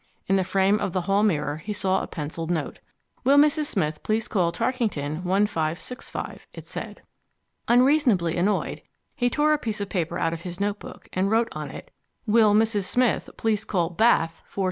In the frame of the hall mirror he saw a pencilled note: Will Mrs. Smith please call Tarkington 1565, it said. Unreasonably annoyed, he tore a piece of paper out of his notebook and wrote on it Will Mrs. Smith please call Bath 4200.